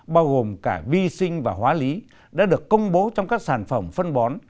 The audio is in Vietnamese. bao gồm cả vi sinh và hóa lý đã được công bố trong các sản phẩm phân bón